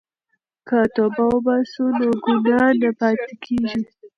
که توبه وباسو نو ګناه نه پاتې کیږي.